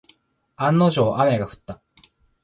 案の定、雨が降った。